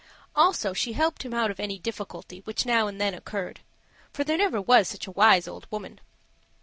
Also, she helped him out of any difficulty which now and then occurred for there never was such a wise old woman.